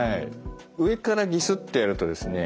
上からギスッとやるとですね